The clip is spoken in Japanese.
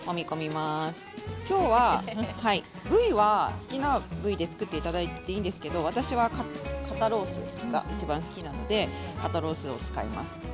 好きな部位で作っていただいていいんですが私は肩ロースがいちばん好きなので今日は肩ロースを使います。